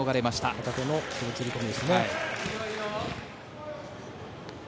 片手の袖つり込みですね。